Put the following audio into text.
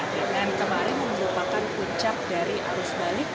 dengan kemarin merupakan puncak dari arus balik